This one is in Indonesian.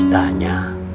tidak ada berita